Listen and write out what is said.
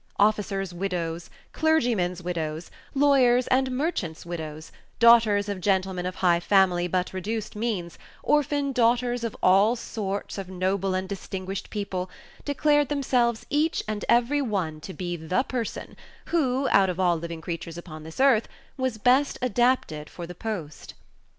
Officers' widows, clergymen's widows, lawyers' and merchants' widows, daughters of gentlemen of high family but reduced means, orphan daughters of all sorts of noble and distinguished people, declared themselves each and every one to be the person who, out of all living creatures upon this earth, was best adapted for the post.